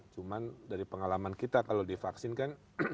cuma dari pengalaman kita kalau divaksin kan